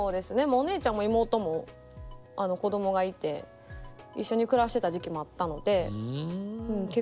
お姉ちゃんも妹も子供がいて一緒に暮らしてた時期もあったので結構にぎやかに。